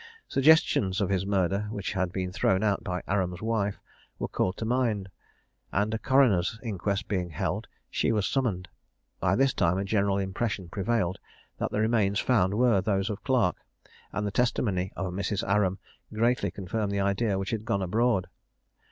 Suggestions of his murder which had been thrown out by Aram's wife were called to mind, and a coroner's inquest being held, she was summoned. By this time a general impression prevailed that the remains found were those of Clarke, and the testimony of Mrs. Aram greatly confirmed the idea which had gone abroad.